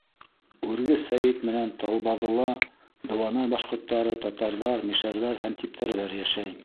Үрге Сәйет менән Талбаҙыла дыуанай башҡорттары, татарҙар, мишәрҙәр һәм типтәрҙәр йәшәй.